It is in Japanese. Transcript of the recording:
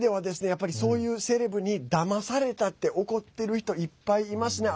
やっぱり、そういうセレブにだまされたって怒ってる人いっぱいいますね。